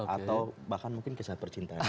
atau bahkan mungkin kisah percintaannya